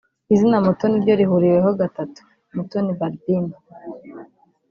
izina Mutoni ryo rihuriweho gatatu; Mutoni Balbine